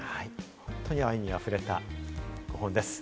本当に愛にあふれたご本です。